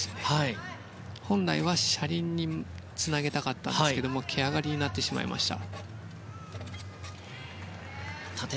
本来は車輪につなげたかったんですがけ上がりになってしまいました。